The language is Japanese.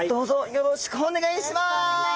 よろしくお願いします。